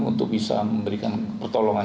untuk bisa memberikan pertolongan